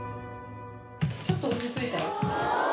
ちょっと落ち着いたよ。